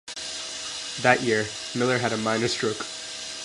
That year, Miller had a minor stroke.